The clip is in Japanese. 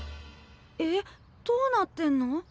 えっどうなってんの？